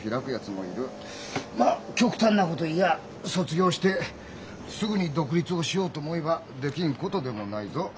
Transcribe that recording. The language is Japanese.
まあ極端なことを言やあ卒業してすぐに独立をしようと思えばできんことでもないぞ。